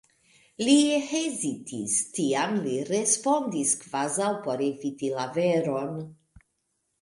Li hezitis; tiam li respondis kvazaŭ por eviti la veron: